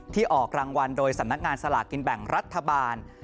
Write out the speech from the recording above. ออกรางวัลโดยสำนักงานสลากกินแบ่งรัฐบาล